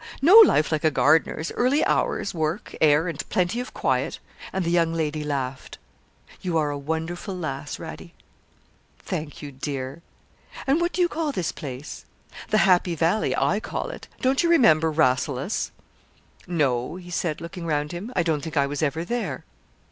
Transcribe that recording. No life like a gardener's early hours, work, air, and plenty of quiet.' And the young lady laughed. 'You are a wonderful lass, Radie.' 'Thank you, dear.' 'And what do you call this place?' '"The Happy Valley," I call it. Don't you remember "Rasselas?"' 'No,' he said, looking round him; 'I don't think I was ever there.'